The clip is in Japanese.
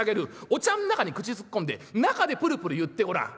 お茶ん中に口突っ込んで中でプルプル言ってごらん。